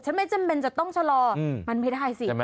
ไม่จำเป็นจะต้องชะลอมันไม่ได้สิ